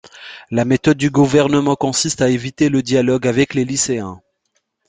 La méthode du gouvernement consiste à éviter le dialogue avec les lycéens.